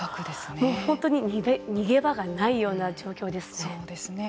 もう本当に逃げ場がないような状況ですね。